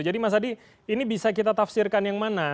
mas hadi ini bisa kita tafsirkan yang mana